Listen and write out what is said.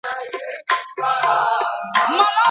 شین چای په پیالو کي نه سړیږي.